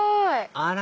あら！